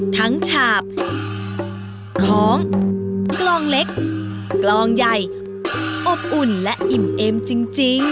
ฉาบของกลองเล็กกลองใหญ่อบอุ่นและอิ่มเอ็มจริง